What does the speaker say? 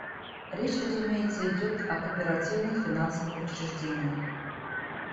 Речь, разумеется, идет о кооперативных финансовых учреждениях.